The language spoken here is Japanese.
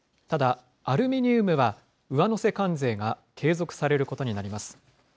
ただ、アルミニウムは上乗せ関税が継続されることになります。